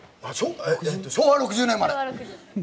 昭和６０年生まれ。